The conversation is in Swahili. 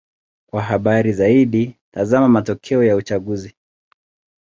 Kwa habari zaidi: tazama matokeo ya uchaguzi.